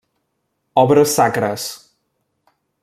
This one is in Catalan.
Obres sacres.